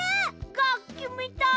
がっきみたい！